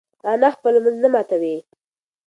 انا خپل لمونځ نه ماتوي.